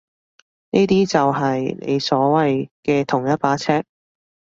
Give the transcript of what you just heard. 呢啲就係你所謂嘅同一把尺？